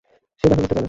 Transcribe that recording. সে দেখা করতে চায় না।